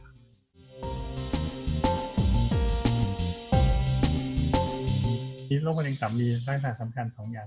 โรคมะเร็งจากเซลล์ตับมีรักษณะสำคัญ๒อย่าง